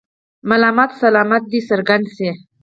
ملامت او سلامت دې څرګند شي.